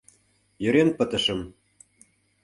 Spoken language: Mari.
Йöрен пытышым